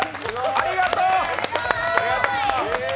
ありがとうー！！